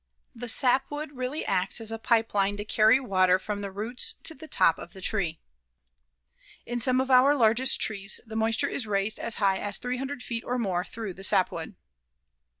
The sapwood really acts as a pipe line to carry water from the roots to the top of the tree. In some of our largest trees the moisture is raised as high as 300 feet or more through the sapwood.